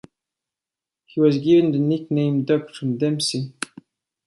He was given the nickname "Doc" from Dempsey.